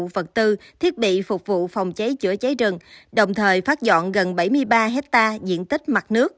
vật tư thiết bị phục vụ phòng cháy chữa cháy rừng đồng thời phát dọn gần bảy mươi ba hectare diện tích mặt nước